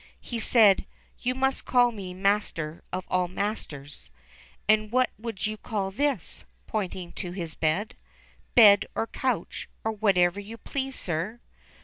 He said, "You must call me 'master of all masters.* And what would you call this .?" pointing to his bed. "Bed or couch, or whatever you please, sir."